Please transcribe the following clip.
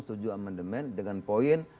setuju amendement dengan poin